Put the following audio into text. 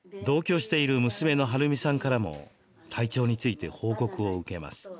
同居している娘の春美さんからも体調について報告を受けます。